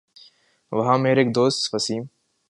وہاں میرے ایک دوست وسیم